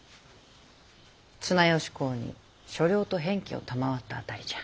綱吉公に所領と偏諱を賜った辺りじゃ。